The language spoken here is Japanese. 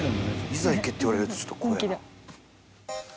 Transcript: いざ行けって言われるとちょっと怖いな。